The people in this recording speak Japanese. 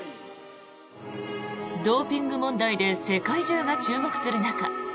ドーピング問題で世界中が注目する中